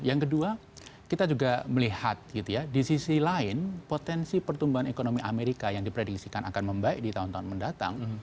yang kedua kita juga melihat di sisi lain potensi pertumbuhan ekonomi amerika yang diprediksikan akan membaik di tahun tahun mendatang